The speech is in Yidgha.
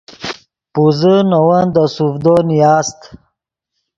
پوزے نے ون دے سوڤدو نیاست